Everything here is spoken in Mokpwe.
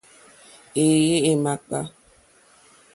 Éèyé é màkpá.